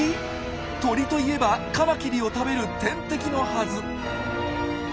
鳥といえばカマキリを食べる天敵のはず。